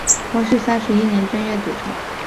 光绪三十一年正月组成。